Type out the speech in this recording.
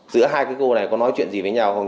giữa hai cái cô này có nói chuyện gì với nhau không